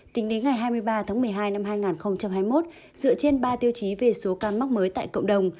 tính đến ngày hai mươi ba tháng một mươi hai năm hai nghìn hai mươi một dựa trên ba tiêu chí về số ca mắc mới tại cộng đồng